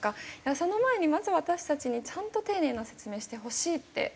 その前にまず私たちにちゃんと丁寧な説明してほしいって思います。